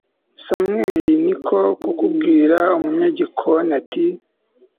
samweli ni ko kubwira umunyagikoni, ati